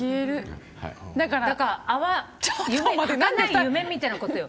かなり夢みたいなことよ。